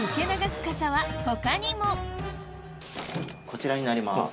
こちらになります。